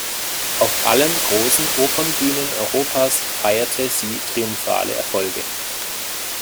Auf allen großen Opernbühnen Europas feierte sie triumphale Erfolge.